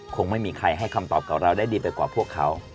คงไม่มีใครให้คำตอบกับเราได้ดีไปกว่าพวกเขา